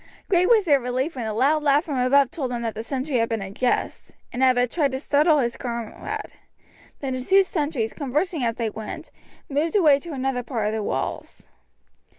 Great was their relief when a loud laugh from above told them that the sentry had been in jest, and had but tried to startle his comrade; then the two sentries, conversing as they went, moved away to another part of the walls.